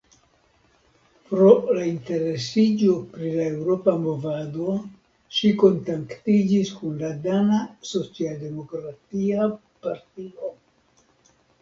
Pro la interesiĝo pri la eŭropa movado ŝi kontaktiĝis kun la dana socialdemokratia partio.